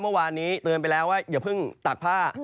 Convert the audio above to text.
เมื่อวานนี้เตือนไปแล้วว่าอย่าเพิ่งตากผ้า